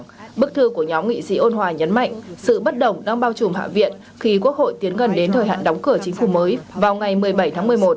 trong bức thư của nhóm nghị sĩ ôn hòa nhấn mạnh sự bất đồng đang bao trùm hạ viện khi quốc hội tiến gần đến thời hạn đóng cửa chính phủ mới vào ngày một mươi bảy tháng một mươi một